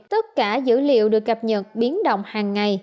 tất cả dữ liệu được cập nhật biến động hàng ngày